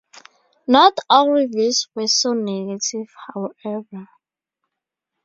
Not all reviews were so negative, however.